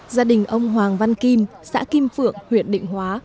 gia đình ông hoàng văn kim xã kim phượng huyện định hóa